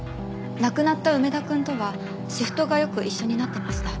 亡くなった梅田くんとはシフトがよく一緒になってました。